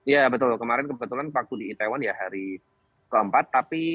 ya betul kemarin kebetulan waktu di itaewon ya hari keempat